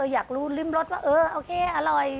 อยากรู้ริมรสว่าเออโอเคอร่อย